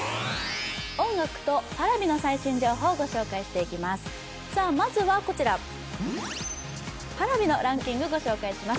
音楽とＰａｒａｖｉの最新情報を紹介していきます。